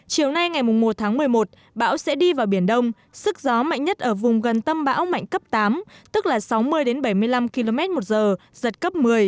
chiều nay ngày một tháng một mươi một bão sẽ đi vào biển đông sức gió mạnh nhất ở vùng gần tâm bão mạnh cấp tám tức là sáu mươi bảy mươi năm km một giờ giật cấp một mươi